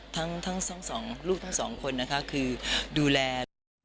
ทั้งสองลูกทั้งสองคนนะคะคือดูแลลูก